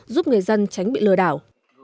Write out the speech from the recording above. giúp người dân tránh bị lừa đảo